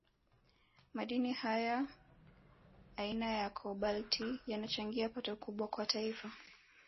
Madini haya aina ya Kobalti yanachangia pato kubwa kwa Taifa